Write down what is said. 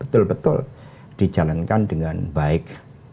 betul betul dijalankan dengan baik